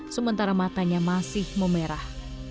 sementara matanya masih memerah